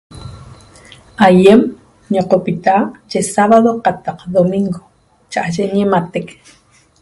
Aýem ñiqopita yi sabado qataq domingo cha'aye ñimatec